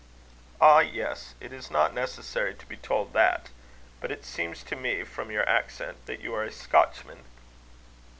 "Ah! yes; it is not necessary to be told that. But it seems to me, from your accent, that you are a Scotchman."